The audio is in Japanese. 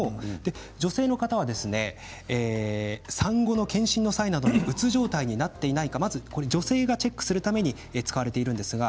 女性の方は産後の検診の際などにうつ状態になっていないか女性がチェックするために使われているんですが